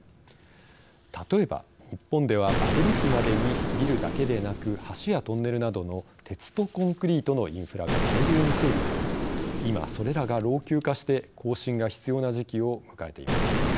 例えば日本では、バブル期までにビルだけでなく橋やトンネルなどの鉄とコンクリートのインフラが大量に整備され今、それらが老朽化して更新が必要な時期を迎えています。